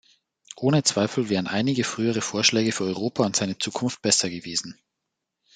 Ohne Zweifel wären einige frühere Vorschläge für Europa und seine Zukunft besser gewesen.